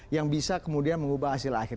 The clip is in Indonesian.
yang bisa kemudian mengubah hasil akhir